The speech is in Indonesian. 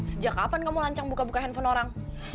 sejak kapan kamu lancang buka buka handphone orang